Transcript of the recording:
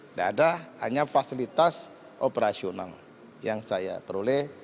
tidak ada hanya fasilitas operasional yang saya peroleh